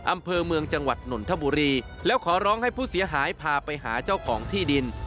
อำเภอเมืองจังหวัดนนทบุรีแล้วขอร้องให้ผู้เสียหายพาไปหาเจ้าของที่ดิน